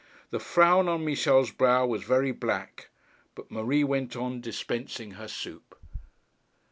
The frown on Michel's brow was very black, but Marie went on dispensing her soup.